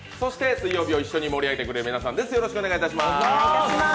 水曜日を一緒に盛り上げてくれるみなさんです。